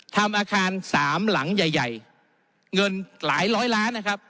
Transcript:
ทำอาคารสามหลังใหญ่ใหญ่เงินหลายร้อยล้านนะครับ